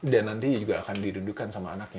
dan nanti juga akan didudukan sama anaknya